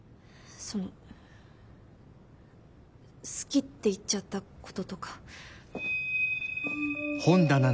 その「好き」って言っちゃったこととか。